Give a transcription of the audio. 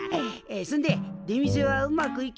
そんで出店はうまくいきそうか？